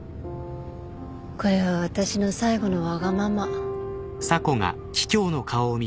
これは私の最後のわがまま。